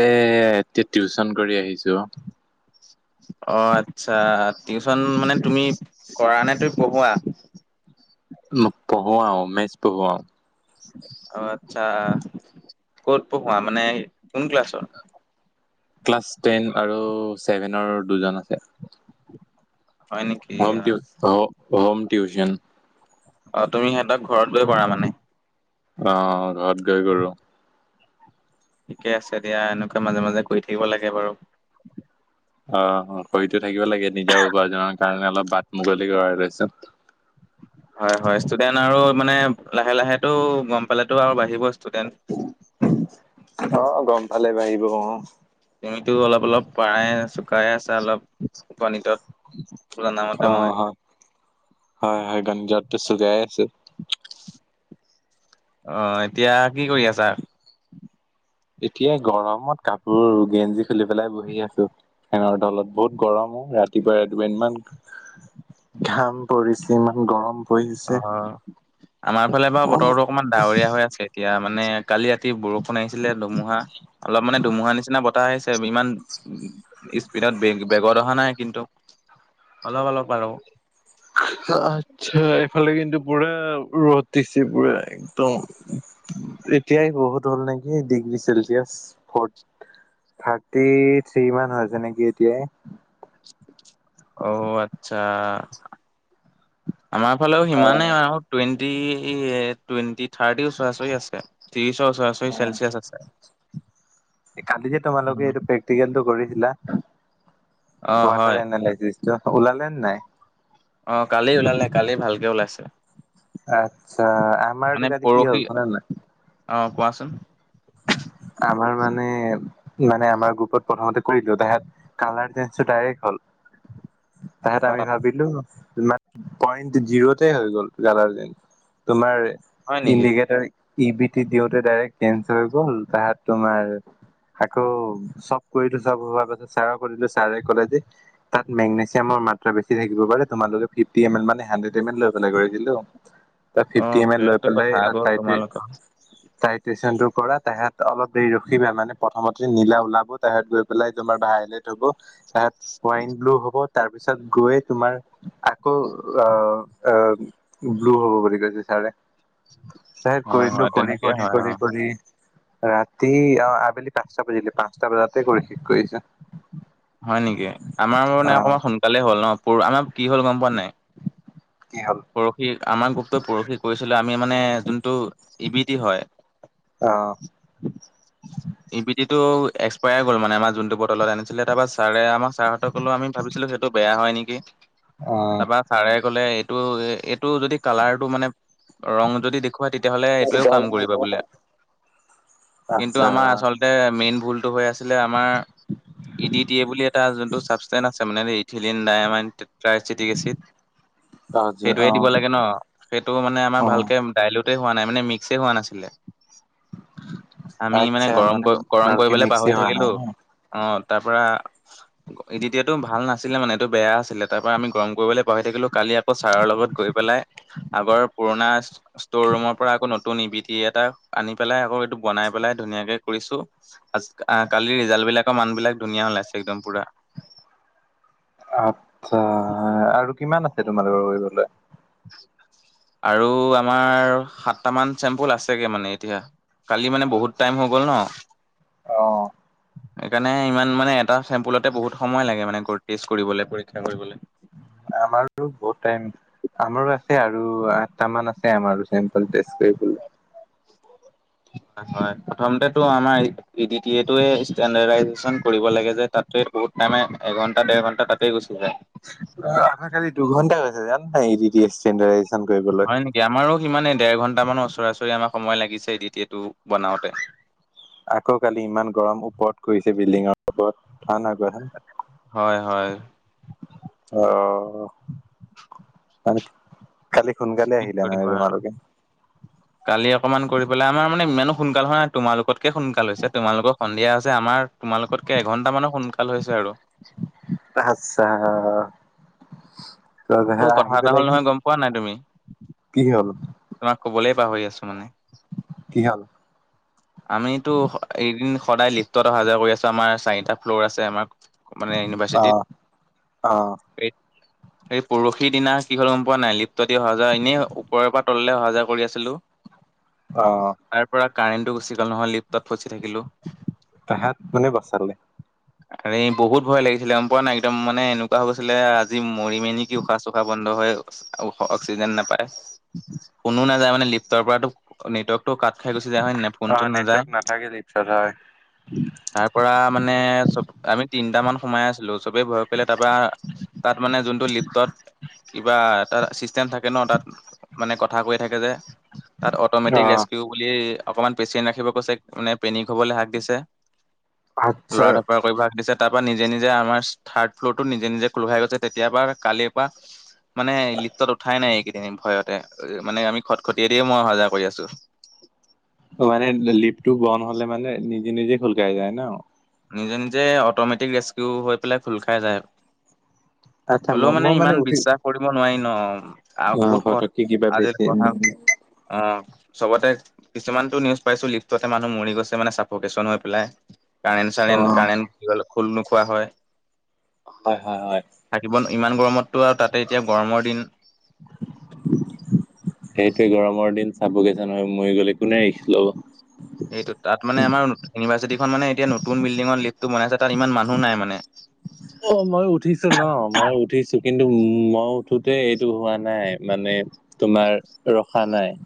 এ এতিয়া টিউচন কৰি আহিছোঁ [unintelligible] অ আচ্ছা টিউচন মানে তুমি কৰা নে তুমি পঢ়োৱা পঢ়োৱাও মেথছ পঢ়োৱাও অ আচ্ছা ক'ত পঢ়োৱা মানে কোন ক্লাছৰ ক্লাছ টেন আৰু ছেভেনৰ দুজন আছে হয় নেকি হম টিও হম টিউচন অ তুমি সিহঁতক ঘৰত গৈ কৰা মানে অ ঘৰত গৈ কৰোঁ ঠিকে আছে দিয়া এনেকুৱা মাজে মাজে কৰি থাকিব লাগে বাৰু অ কৰি টো থাকিব লাগে নিজৰ উপাৰ্জনৰ কাৰণে অলপ বাট মুকলি কৰা লৈছ হয় হয় ষ্টুডেন্ট আৰু মানে লাহে লাহেটো গম পালেতো আৰু বাঢ়িব ষ্টুডেন্ত অ গম পালে বাহিব অ তুমিতো অলপ অলপ পাই শুকাই আছে অলপ উপনীত পঙৰা নামতে অ মই হয় হয় হয় গণজটো চুগাই আছোঁ অ এতিয়া কি কৰি আছা এতিয়া গৰমত কাপোৰ গেঞ্জি খুলি পেলাই বহি আছো ফেনৰ তলত বহুত গৰম অ ৰাতিপুৱাই ৰাতিপুৱাই ইমান ঘাম পৰিছে ইমান গৰম অ পৰিছে আমাৰ ফালে বাৰু বতৰটো অকমান ডাৱৰীয়া হৈ আছে এতিয়া মানে কালি ৰাতি বৰষুণ আহিছিলে ধুমুহা অলপ মানে ধুমুহা নিচিনা বতাহ আহিছে ইমান স্পীডত বেগ বেগত অহা নাই কিন্তু অলপ অলপ আৰু আতছা ইফালে কিন্তু পুৰা ৰ'দ দিছে পুৰা একদম এতিয়াই বহুত হ'ল নে ডিগ্ৰী চেলচিয়ছ ফৰ্ত থাৰ্টি থ্ৰী মান হৈছে নেকি এতিয়াই অ আচ্ছা আমাৰ ফালেও সিমানেই অ', আৰু টুৱেণ্টি টুৱেণ্টি থাৰ্টি ওচৰা ওচৰি আছে ত্ৰিশৰ ওচৰা ওচৰি অ'। চেলচিয়াছ আছে কালি যে তোমালোকে উম, এইটো প্ৰেক্টিকেলটো কৰিছিলা অ হয় ৱাটাৰ এনালাইচিছটো ওলালে নে নাই অ কালি ওলালে কালি ভালকে ওলাইছে আচ্ছা মানে আমাৰটো কালি কি পৰহি হ'ল শুনা না অ কোৱাচোন আমাৰ মানে মানে আমাৰ গ্ৰুপত প্ৰথমতে কৰি দিলোঁ তাহত কালাৰ চেঞ্জটো দাইৰেক্ট হল [inaudible] তাহঁতে অ আমি ভাবিলো কইণ্ট জিৰ'তে হৈ গ'ল জালাতে তোমাৰ হয় নেকি ইণ্ডিকেটৰ ই বি টি দিওঁতে ডাইৰেক্ট চেঞ্চ হৈ গল তাহাত তোমাৰ আকৌ চব কৰিলো চব হোৱাৰ পাছত ছাৰ ক শুধিলোঁ ছাৰে ক'লে যে তাত মেগনেছিয়ামৰ মাত্ৰা বেছি থাকিব পাৰে তোমালোকে ফিফটি এম এল মানে হাড্ৰেড এম এল লৈ পেলাই কৰি দিলোঁ অ ফিফটি এম এল লৈ সেইটো পেলাই কথা আকৌ তাই তোমালোকৰ তাইটেচনটো কৰা তাহত অলপ দেৰি ৰখিবা মানে প্ৰথমতে নীলা ওলাব তাহত গৈ পেলাই তোমাৰ ভাইলেত হব তাত ওৱাইন ব্লু হ'ব তাৰপিছত গৈ তোমাৰ আকৌ অ ব্লু হ'ব বুলি কৈছে ছাৰে তাহঁত হয় কৰি হয় দিলোঁ কৰি তেনেকে কৰি হয় অ কৰি কৰি ৰাতি অ আবেলি পাঁচটা বাজিলে পাঁচটা বজাতে কৰি শেষ কৰিছো হয় নেকি, আমাৰ মানে আহ অকমান সোনকালে হ'ল ন পূৰ আমাৰ কি হ'ল পৰখি আমাৰ গ্ৰুপটো পৰখি কৰিছিলে আমি মানে যোনটো ইবিটি হয়। আহ অ এইটো এক্সপায়াৰ গ'ল মানে আমাৰ যোনটো বটলত আনিছিলে তাৰ পৰা ছাৰে আমাৰ ছাৰহঁত সক'লেও আমি ভাবিছিলো সেইটো বেয়া হয় হয় নেকি, তাৰপৰা ছাৰে কলে এইটো এইটো যদি কালাৰটো মানে ৰং যদি দেখুৱাই তেতিয়াহ'লে এইটোৱেও কাম কৰিবা বোলে। আহ কিন্তু আচ্ছা আমাৰ আচলতে মেইন ভুলটো হৈ আছিলে আমাৰ ই ডি টি এ বুলি এটা যোনটো চাবষ্টেইন আছে তাৰ মানে আমি ইথিলিন ডায়ামণ্ড ট্ৰাইছিটিক এচিড আচ্ছা সেইটোয়ে অ দিব লাগে ন সেইটো মানে আমাৰ অ ভালকে দাইল টুটে হোৱা নাই মানে মিক্সে হোৱা নাছিলে। আ আ, আমি মানে আচ্ছা গৰম গৰম ভালকে কৰিবলে মিক্সি পাহৰি হোৱা নাই থাকিলো। ন অ তাৰপৰা উস ক ইডিটিয়াৰটোও ভাল নাছিলে মানে এইটো বেয়া আছিলে তাৰ পৰা আমি গৰম কৰিবলৈ পাহৰি থাকিলো কালি আক ছাৰৰ লগত গৈ পেলাই আগৰ পুৰণা সি সি ষ্টৰ ৰুমৰ পৰা আকৌ নতু নতুন নিবিটি এটা আনি পেলাই আকৌ এইটো বনাই পেলাই ধুনীয়াকে কৰিছো আজ ক আহ কালিৰ ৰিজাল্ট বিলাকৰ মানবিলাক ধুনীয়া ওলাইছে একদম পুৰা আচ্ছা আৰু কিমান আছে তোমালোকৰ কৰিবলৈ আৰু আমাৰ সাতটামান চেম্পুল আছেগে মানে এতিয়া কালি মানে বহুত টাইম হৈ গ'ল ন অ অ অ সেইকাৰণে ইমান মানে এটা চেম্পুলতে বহুত সময় লাগে মানে কৰ টেষ্ট কৰিবলে পৰীক্ষা কৰিবলে। আমাৰ টো বহুত টাইম আমাৰো আছে আৰু আঠটা মান আছে আমাৰ চেম্পল টেষ্ট কৰিবলৈ। আহ হয় প্ৰথমতে ইটো আমাৰ ই ইডিটিএটোৱে ষ্টেন্ডাৰাইজেছন কৰিব লাগে যে তাতে বহুত টাইমে এঘন্টা দে এঘন্টা তাতেই গুছি যায়। আহ আহাকালি দুঘন্টা গৈছে জান নাই ইডিটিএ ষ্টেন্ডাৰাইজ হয় নেকি আমাৰো সিমানে দেৰ ঘন্টামানৰ ওচৰা-ওচৰি আমাৰ সময় লাগিছে ইডিটিএটো বনাওতে আকৌ কালি ইমান গৰম ওপৰত কৰিছে বিল্ডিঙৰ টুট ওপৰত খানা গ্ৰহণ হয় হয়। অ অ অ টক মানে কি? কালি সোনকালে কি আহিলা হয় কৰিবা আৰু। তোমালোকে [inaudible] কালি অকমান কৰি পেলাই আমাৰ মানে ইমানো সোনকাল হোৱা নাই তোমালোকতকে সোনকাল হৈছে তোমালোকৰ সন্ধিয়া হৈছে আমাৰ তোমালোকতকে এঘন্টা মানৰ সোনকাল হৈছে আৰু উস, তয় বেহালা কথা আহি এটা পেলাই হ'ল কি? নহয় [unintelligible] গম পোৱা নাই তুমি কি হ'ল? তোমাক কবলেই পাহৰি আছো মানে কি হ'ল? আমিতো এদিন সদায় লিফ্টত অহা যোৱা কৰি আছো আমাৰ চাৰিটা ফ্ল'ৰ আছে আমাৰ মানে অ ইউনিভাৰ্চিটিত অ এই সেই পৰখিৰ দিনা কি হল গম পোৱা নাই লিফ্ট ও দি অহা যোৱা এনেই ওপৰৰ পৰা তললৈ অহা যোৱা কৰি আছিলো। [unintelligible] অ অ কাৰেণ্টো গুচি গল নহয় লিফ্টত ফচি থাকিলো তাহাঁত কোনে বাচালে? আৰে বহুত ভয় লাগিছিলে গম পোৱা নাই একদম মানে এনেকুৱা হৈ গৈছিলে আজি মৰিমে নেকি উশাহ-চুষাহ বন্ধ [unintelligible] হয় আৰু উফ্ ওখ অক্সিজেন নেপায় কোনো নেযায় মানে লিফ্টৰ পৰাতো নেটৱৰ্ক ত কাট খাই গুচি যায় হয় নে নাই অ ফোন-চোন নাযায় নেটৱৰ্ক নাথাকে লিফ্টত হয় তাৰ পৰা মানে চব আমি তিনিটা মান সোমাই আছিলোঁ চবেই ভয় কৰিলে তাৰপৰা তাত মানে যোনটো লিফত- কিবা এটা চিষ্টেম থাকে ন তাত মানে কথা কৈ থাকে যে- তাত অ অট'মেটিক ৰেচ্কিউ বুলি অকমান পেচিয়েণ্ট ৰাখিব কৈছে মানে পেনিক হবলৈ হাক দিছে আচ্ছা লৰা ধপৰা কৰিব হাক দিছে- তাৰ পৰা নিজে নিজে আমাৰ থাৰ্ড ফ্ল'ৰ টো নিজে নিজে খোল খাই গৈছে তেতিয়া পৰা কালিৰ পৰা- মানে লিফ্টত উঠাই নাই এইকেইদিন ভয়তে মানে আমি খট খটিয়ে দিয়ে মই অহা যোৱা কৰি আছোঁ - উ [unintelligible] মানে লিফটো বন্ধ হলে মানে নিজে নিজে খুলখাই যায় ন- নিজে নিজে অট'মেটিক ৰেস্কিউ হৈ পেলাই খোল খাই যায়- আচ্ছা ম হলেও মানে মই ইমান উঠি বিশ্বাস কৰিব নোৱাৰি ন- আৰু অ বহুত ক ফটককে কিবা আজিৰ বেছি কথা অ- [unintelligible] চবতে কিছুমানতটো নিউজ পাইছো লিফ্টতে মানুহ মৰি গৈছে মানে চফকন হৈ পেলাই- [unintelligible] কাৰেণ্ট অ চাৰেণ্ট কাৰেণ্ট বুলি কলে খোল নোখোৱা হয়- হয় হয় হয় থাকিব ইমান গৰমতটো আৰু তাতে এতিয়া গৰমৰ দিন চফকচন হৈ মৰি গ'লে কোনে ৰিষ্ট ল'ব - সেইটো তাত মানে আমাৰ ইউনিভাৰ্চিটিখন মানে এতিয়া নতুন বিল্ডিঙৰ লিফ্টটো বনাইছে তাত ইমান মানুহ নাই মানে- অ মই উঠিছো ন মই উঠিছো কিন্তু মই- তে এইটো হোৱা নাই মানে তোমাৰ ৰখা নাই-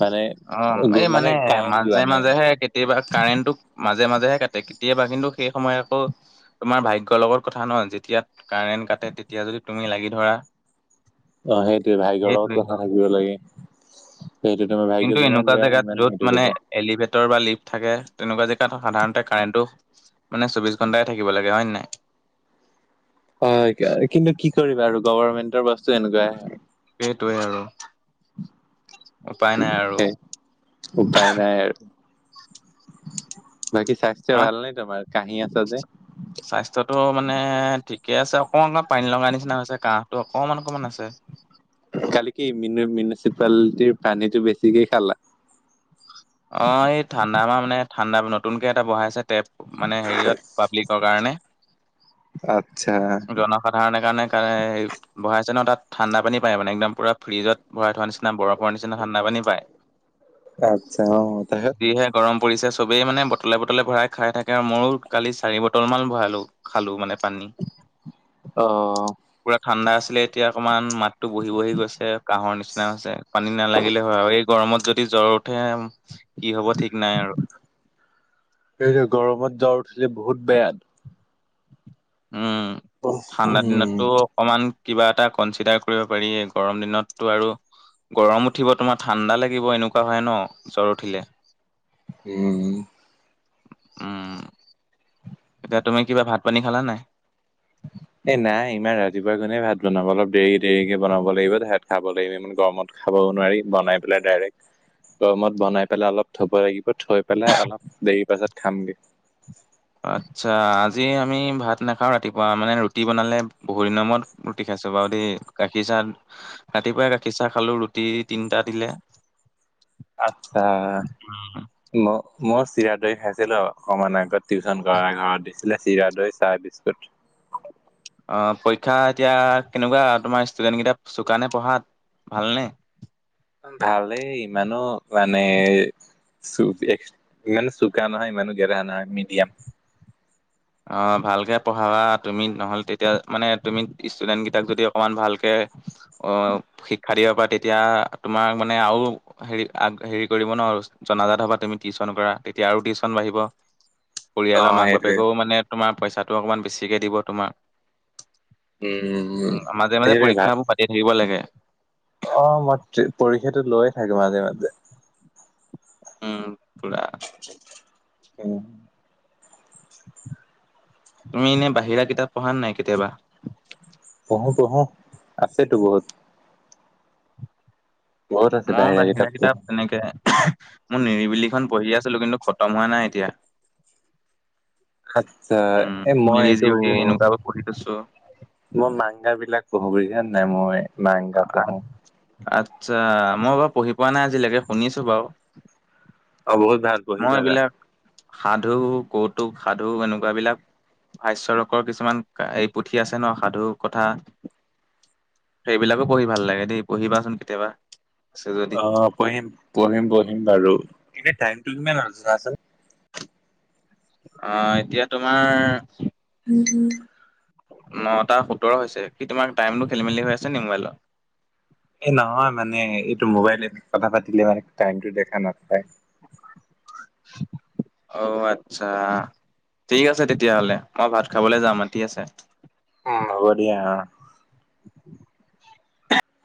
মানে অ এই মানে কাৰেণ্ট মাজে যোৱা নাই মাজেহে কেতিয়াবা কাৰেণ্টটো মাজে- মাজে মাজেহে কাটে। কেতিয়াবা কিন্তু সেই সময় আকৌ তোমাৰ ভাগ্যৰ লগত কথা নহয় যেতিয়া কাৰেন্ট কাট- ততে তেতিয়া যদি তুমি লাগি ধৰা- অ সেইটোয়ে ভাগ্যৰ লগত সেইটোৱেই কথা হয় থাকিব লাগে- সেইটো তোমাৰ ভাগ্য কিন্তু যিমান এনেকুৱা বেয়া জেগাত সিমান সেইটো য'ত মানে হ'ব এলিভেট- বা লিফ্ট থাকে তেনেকুৱা জেগাত সাধাৰণতে কাৰেণ্টটো - মানে চৌবিশ ঘণ্টাই থাকিব লাগে হয় নে নাই- হয় কিন্তু কি কৰিবা আৰু গভৰ্মেণ্টৰ বস্তু এনেকুৱাই- সেইটোৱে আৰু উপায় নাই আৰু- হয় উপায় নাই [unintelligible] বাকী স্বাস্থ্য আমাৰ ভাল নাই তোমাৰ কাহি আছা যে- গেছ আছে অকণমান অকণমান পানী লগা নিচিনা হৈছে কাহটো অকণমান অকণমান আছে- কালি কি মিউনিচিপালিটিৰ পানীতটো বেছিকে খালা- অ এই ঠাণ্ডা মাহ মানে ঠাণ্ডা নতুনকে এটা বহাই আছে- তেপ মানে হেৰিয়ত পাব্লিকৰ কাৰণে- আচ্ছা জনসাধাৰণে কাৰণে বহাইছে ন তাত- ঠাণ্ডা পানী পাই মানে পুৰা ফিজত ভৰাই থোৱা নিচিনা বৰফ- নিচিনা ঠাণ্ডা পানী পায় আচ্ছা অ তাৰপিছত যিহে গৰম- পৰিছে চবেই মানে বটলে বটলে ভৰাই খাই থাকে আৰু ময়ো কালি চাৰি বটল মান ভৰালোঁ খালো মানে- পানী। অ পুৰা ঠাণ্ডা আছিলে এতিয়া অকমান মাত- টো বহি বহি গৈছে কাহৰ নিচিনা হৈছে পানী নালাগিলে হয় আৰু এই গৰমত যদি জ্বৰ উঠে- কি হব ঠিক নাই আৰু গৰমত যা উঠছিলে বহুত বেয়া- উম ঠাণ্ডা উম, দিনতো অকমান- কিবা এটা কনচিডাৰ কৰিব পাৰি গৰম দিনতটো আৰু গৰম উঠিব তোমাৰ ঠাণ্ডা লাগিব এনেকুৱা হয় ন জ্বৰ উঠিলে উম- উম এতিয়া তুমি কিবা ভাত পানী খালা নাই? এ নাই ইমান ৰাতিপুৱা মানে ভাত বনাব অলপ দেৰি দেৰিকে বনাব লাগিব তাত খাব লাগিব ইমান গৰমত খাব- নোৱাৰি বনাই পেলাই ডাইৰেক্ গৰমত বনাই পেলাই অলপ থব লাগিব থৈ পেলাই অলপ দেৰি পাছত খামগে- আচ্ছা আজি আমি ভাত নাখাওঁ। ৰাতিপুৱা মানে ৰুটি বনালে বহু দিনৰ মূৰত ৰুটি খাই। ছচ বাৰু দেই গাখীৰ চাহ ৰাতিপুৱাই গাখীৰ চাহ খালোঁ ৰুটি তিনটা দিলে। [unintelligible] আচ্ছা মইয়ো মই চিৰা। দৈ খাইছিলোঁ অকণমান আগত টিউচন কৰা ঘৰত দিছিলে চিৰা দৈ চাহ বিস্কুট। অ পৰীক্ষা এতিয়া কেনেকুৱা তোমাৰ ষ্টুডেণ্ট কেইটা চোকানে পঢ়াত। ভালনে। ভালেই ইমানো মানে। ইমানো চুকা নহয় ইমানো গেধা নহয় মিডিয়াম। অ ভালকে পঢ়াবা তুমি নহল তেতিয়া মানে তুমি ষ্টুডেন্ট কেইটাক যদি অকমান ভালকে। অ শিক্ষা দিয়াৰ পৰা তেতিয়া তোমাৰ মানে আৰু হেৰি হেৰি কৰিব। জনাজাত হবা তুমি টিউশন কৰা তেতিয়া আৰু টিউচন বাঢ়িব অ পৰিয়ালৰ মাক বাপেক। সেইটোৱে নে তোমাৰ পইচাটো অকণমান বেছিকে দিব তোমাৰ। উম মাজে মাজে সেইটোৱে ভাল পৰীক্ষাবোৰ পাতি থাকিব লাগে। অ মই পৰীক্ষাটো লৈয়ে থাকো মাজে মাজে। উম। পুৰা উম। তুমি এনে বাহিৰা কিতাপ পঢ়া নাই কেতিয়াবা? পঢ়ো পঢ়ো আছেতো বহুত। বহুত আছে মই বাহিৰা কিতাপ পঢ়ো তেনেকে। মোৰ নিৰিবিলি খন পঢ়ি আছিলোঁ কিন্তু খতম হোৱা নাই এতিয়া। আচ্ছা এ উম মই এইটো নিৰিবিলি এনেকা পঢ়ি থৈছোঁ। মই মাংগদা বিলাক পঢ়ো বুজিছা নাই মই মাংগাদা পঢ়ো। [unintelligible] আচ্ছা মই বাৰু পঢ়ি পোৱা নাই আজিলৈকে শুনিছোঁ বাৰু। অ বহুত ভাল পঢ়ি মই থাকা। এইবিলাক সাধু কৌতুক সাধু এনেকুৱাবিলাক। ভাস্যৰকৰ কিছুমান এই পুথি আছে ন সাধু কথা। সেইবিলাকো পঢ়ি ভাল লাগে দেই পঢ়িবাচোন কেতিয়াবা। আছে যদি অ পঢ়িম পঢ়িম পঢ়িম বাৰু এনে টাইমটো ইমান আৰু আছে। অ এতিয়া তোমাৰ। [inaudible] নটা সোতৰ হৈছে কি তোমাৰ টাইমটো খেলি মেলি হৈ আছে নি মোবাইলত। এ নহয় মানে এইটো মোবাইলে কথা পাতিলে মানে টাইমটো দেখা নাপায়। অঔ আচ্ছা। ঠিক আছে তেতিয়াহ'লে মই ভাত খাবলৈ যাম মাতি আছে। উম হ'ব দিয়া।